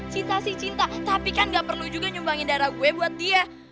cinta sih cinta tapi kan gak perlu juga nyumbangin darah gue buat dia